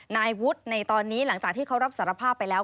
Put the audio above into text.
นายวุฒิในตอนนี้หลังจากที่เขารับสารภาพไปแล้ว